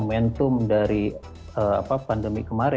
dan juga ke salah satu legitimasi